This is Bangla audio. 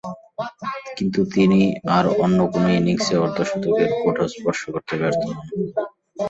কিন্তু, তিনি আর অন্য কোন ইনিংসে অর্ধ-শতকের কোটা স্পর্শ করতে ব্যর্থ হন।